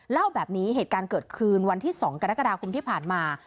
เล่าแบบนี้เหตุการณ์เกิดขึ้นวันที่๒กรกฎาคมที่ผ่านมา